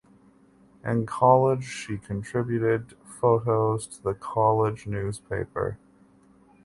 In college she contributed photos to the college newspaper.